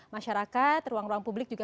masyarakat ruang ruang publik juga